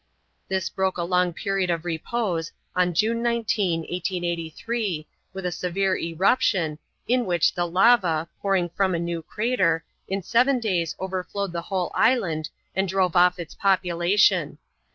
This broke a long period of repose on June 19, 1883, with a severe eruption, in which the lava, pouring from a new crater, in seven days overflowed the whole island and drove off its population.